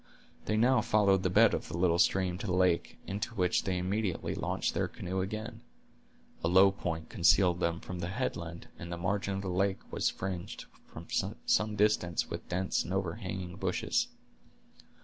They now followed the bed of the little stream to the lake, into which they immediately launched their canoe again. A low point concealed them from the headland, and the margin of the lake was fringed for some distance with dense and overhanging bushes.